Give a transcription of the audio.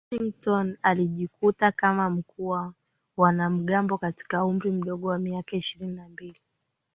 Washington alijikuta kama mkuu wa wanamgambo katika umri mdogo wa miaka ishirini na mbili